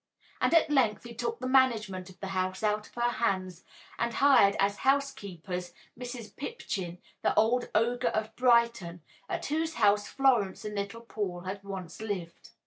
And at length he took the management of the house out of her hands and hired as housekeeper Mrs. Pipchin, the old ogre of Brighton, at whose house Florence and little Paul had once lived.